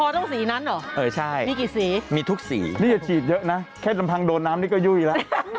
เขาต้องสีนั้นเหรอมีกี่สีมีทุกสีนี่จะฉีดเยอะนะแค่ตำพังโดนน้ำนี่ก็ยุ่ยละ